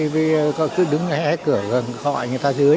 vì tôi cứ đứng hé cửa gần gọi người ta dưới